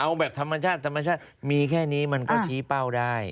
เอาแบบธรรมชาติมีแค่นี้มันก็ชี้เป้าได้